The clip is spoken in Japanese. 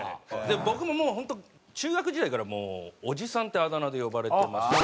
僕ももう本当中学時代から「オジさん」ってあだ名で呼ばれてまして。